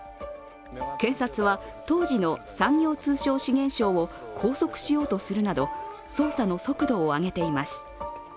検察は、当時の産業通商資源相を拘束しようとするなど、捜査の速度を上げています。